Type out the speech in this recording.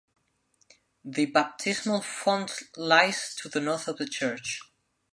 The baptismal font lies to the north of the church.